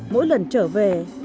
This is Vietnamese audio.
mỗi lần trở về